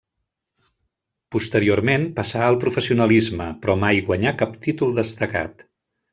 Posteriorment passà al professionalisme, però mai guanyà cap títol destacat.